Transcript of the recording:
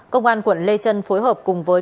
công an quận lê trân phối hợp cùng với